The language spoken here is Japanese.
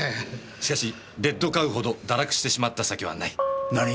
「しかし『レッドカウ』ほど堕落してしまった酒はない」何！？